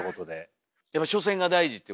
やっぱ初戦が大事っていう。